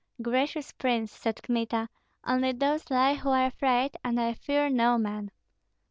"Gracious prince," said Kmita, "only those lie who are afraid, and I fear no man."